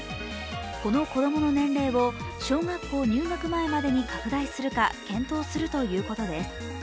この子供の年齢を小学校入学前までに拡大するか検討するということです。